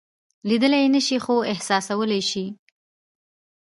لیدلی یې نشئ خو احساسولای یې شئ.